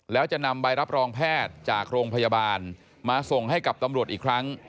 แล้วจะนำใบรับรองแพทย์จากโรงพยาบาลมาส่งให้กับตำรวจอีกครั้ง